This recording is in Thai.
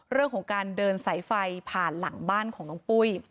เรื่องของการเดินสายไฟผ่านหลังบ้านของน้องปุ้ย